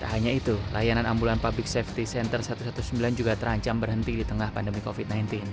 tak hanya itu layanan ambulan public safety center satu ratus sembilan belas juga terancam berhenti di tengah pandemi covid sembilan belas